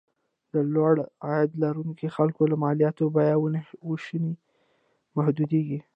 د لوړ عاید لرونکو خلکو له مالیاتو بیاوېشنه محدودېږي.